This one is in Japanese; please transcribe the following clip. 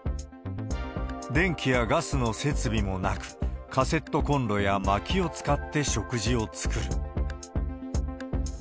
電気やガスの設備もなく、カセットこんろやまきを使って食事を作る。